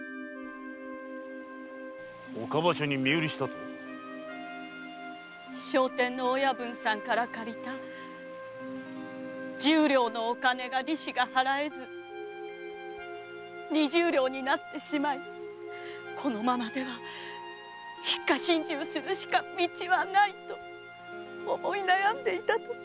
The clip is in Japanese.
岡場所に身売りしたと⁉聖天の親分さんから借りた十両のお金が利子が払えず二十両になってしまいこのままでは一家心中するしか道はないと思い悩んでいたとき。